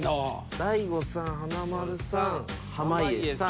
大悟さん華丸さん濱家さん。